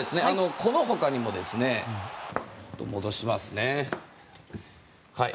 このほかにもちょっと戻しますね。